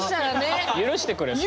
許してくれそう。